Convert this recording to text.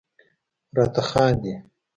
راته خاندي..